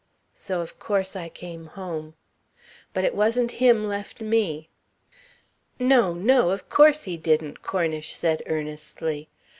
So of course I came home. But it wasn't him left me." "No, no. Of course he didn't," Cornish said earnestly.